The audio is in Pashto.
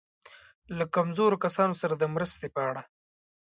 له کمزورو کسانو سره د مرستې په اړه.